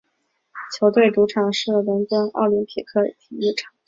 球队主场是伦敦奥林匹克体育场。